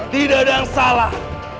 tidak ada yang salah